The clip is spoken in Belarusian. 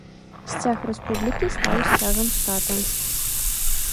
Сцяг рэспублікі стаў сцягам штата.